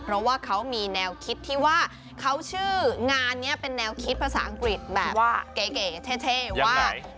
เพราะว่าเขามีแนวคิดที่ว่าเขาชื่องานนี้เป็นแนวคิดภาษาอังกฤษแบบว่าเก๋เท่ว่า